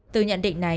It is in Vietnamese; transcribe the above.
từ nhận định này